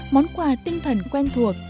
món quà tinh thần quen thuộc